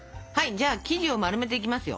じゃあ生地を丸めていきますよ。